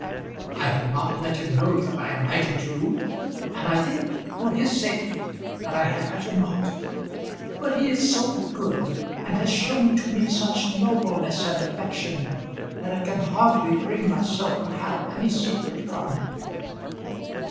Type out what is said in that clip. I have not let him know that I am writing to you, and I think for his sake that I had better not. But he is so good, and has shown to me such nobleness and affection, that I can hardly bring myself to have any secret from him.